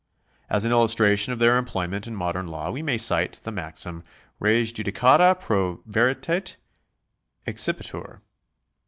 As an illustration of their employment in modern law we may cite the maxim Res judicata pro veritate accipitur.